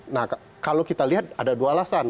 nah kalau kita lihat ada dua alasan